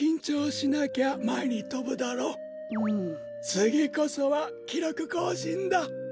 つぎこそはきろくこうしんだ。